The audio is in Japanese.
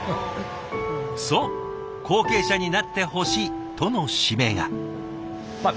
そう「後継者になってほしい」との指名が。